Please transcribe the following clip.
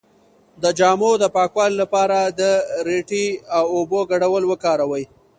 د جامو د پاکوالي لپاره د ریټې او اوبو ګډول وکاروئ